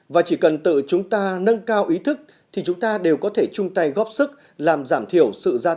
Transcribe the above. và chỉ cần tự chúng ta nâng cao ý thức thì chúng ta đều có thể chung tay góp sức làm giảm thiểu sự gia tăng của biến đổi khí hậu